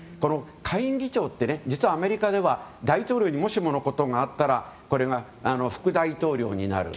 下院議長って実は、アメリカでは大統領にもしものことがあったら副大統領になる。